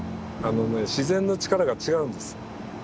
自然の力が違うんです。